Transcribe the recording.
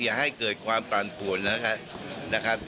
อย่าให้เกิดความปั่นป่วนนะครับ